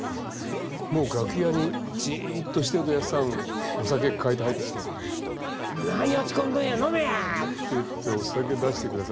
もう楽屋にじっとしてるとやっさんお酒抱えて入ってきて「何落ち込んどるんや飲めや」って言ってお酒出してくださって。